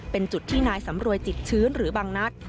เป็นจุดที่นายสำรวยจิตชื้นหรือบางนัด